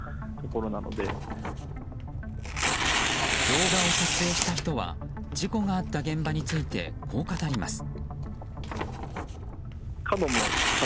動画を撮影した人は事故があった現場についてこう語ります。